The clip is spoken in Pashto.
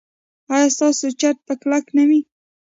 ایا ستاسو چت به کلک نه وي؟